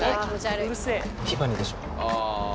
えっティファニーでしょ